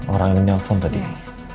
orang yang nelfon tadi